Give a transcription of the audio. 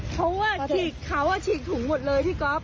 เพราะว่าเขาฉีกถุงหมดเลยพี่ก๊อฟ